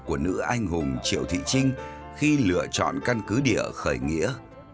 của nữ anh hùng triệu thị trinh khi lựa chọn căn cứ địa khởi nghĩa